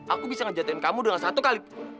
aku bisa ngejatuhin kamu dengan satu kali